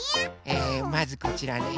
えまずこちらね